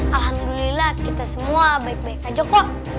alhamdulillah kita semua baik baik aja kok